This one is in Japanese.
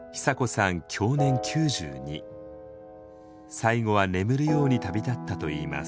最期は眠るように旅立ったといいます。